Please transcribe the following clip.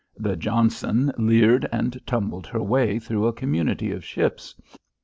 The Johnson leered and tumbled her way through a community of ships.